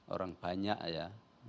orang banyak ya